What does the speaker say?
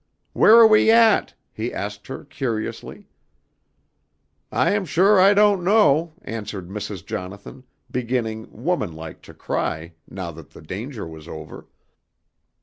"'Where are we at?' he asked her, curiously. "'I am sure I don't know,' answered Mrs. Jonathan, beginning, woman like, to cry, now that the danger was over.